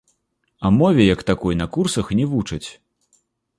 А мове як такой на курсах не вучаць.